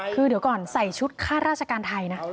คือเดี๋ยวก่อนใส่ชุดค่าราชการไทยนะ